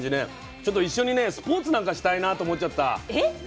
ちょっと一緒にねスポーツなんかしたいなと思っちゃった。